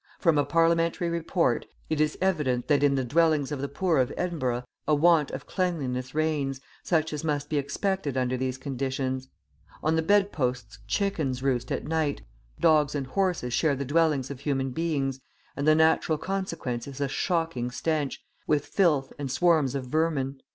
From a Parliamentary Report, {35a} it is evident that in the dwellings of the poor of Edinburgh a want of cleanliness reigns, such as must be expected under these conditions. On the bed posts chickens roost at night, dogs and horses share the dwellings of human beings, and the natural consequence is a shocking stench, with filth and swarms of vermin.